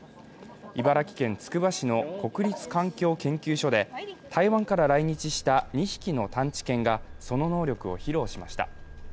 茨城県つくば市の国立環境研究所で、台湾から来日した２匹の探知犬がその能力を披露しました。